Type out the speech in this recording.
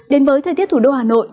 đến với thời tiết thủ đô hà nội